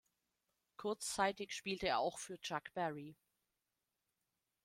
Kurzzeitig spielte er auch für Chuck Berry.